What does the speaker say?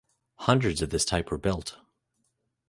Hundreds of this type were built.